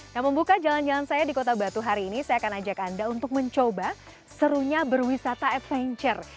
nah membuka jalan jalan saya di kota batu hari ini saya akan ajak anda untuk mencoba serunya berwisata adventure